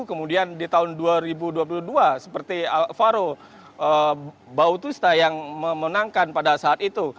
kemudian di tahun dua ribu dua puluh dua seperti alvaro bautista yang memenangkan pada saat itu